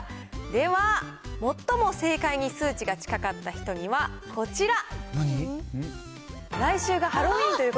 では、最も正解に数値が近かった人にはこちら。